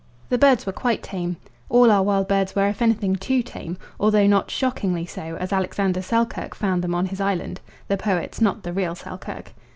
The birds were quite tame: all our wild birds were if anything too tame, although not shockingly so as Alexander Selkirk found them on his island the poet's, not the real Selkirk.